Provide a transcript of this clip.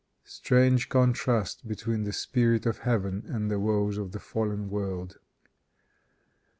Strange contrast between the spirit of heaven and the woes of a fallen world!